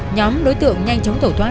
nhóm đối tượng nhanh chóng thổ thoát